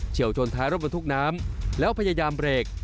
วชนท้ายรถบรรทุกน้ำแล้วพยายามเบรก